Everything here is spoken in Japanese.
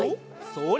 それ！